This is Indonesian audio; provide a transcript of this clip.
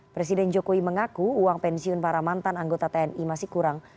presiden jokowi mengaku uang pensiun para mantan anggota tni masih kurang